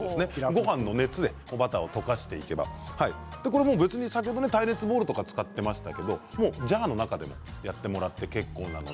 ごはんの熱でバターを溶かしていけば先ほど、耐熱ボウルを使っていましたがジャーの中でやってもらって結構です。